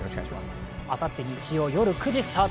あさって日曜夜９時スタート